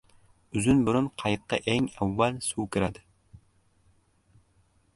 • Uzun burun qayiqqa eng avval suv kiradi.